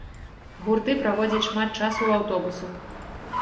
Гурты праводзяць шмат часу ў аўтобусах.